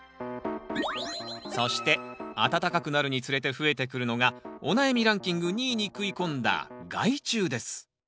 そして暖かくなるにつれて増えてくるのがお悩みランキング２位に食い込んだ害虫です。